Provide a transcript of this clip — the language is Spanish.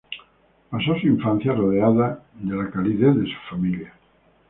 Pasó su infancia rodeada de la calidez de su familia.